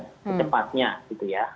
ketepatnya gitu ya